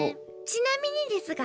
ちなみにですが。